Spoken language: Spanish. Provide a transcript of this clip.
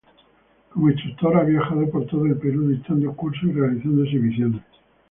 Como instructor, ha viajado por todo el Perú dictando cursos y realizando exhibiciones.